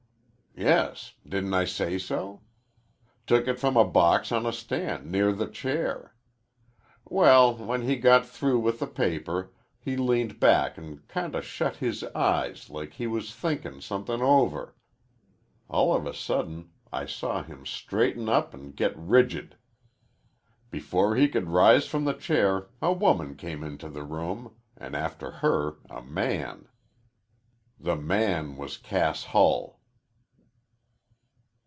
"Yes. Didn't I say so? Took it from a box on a stand near the chair. Well, when he got through with the paper he leaned back an' kinda shut his eyes like he was thinkin' somethin' over. All of a sudden I saw him straighten up an' get rigid. Before he could rise from the chair a woman came into the room an' after her a man. "The man was Cass Hull."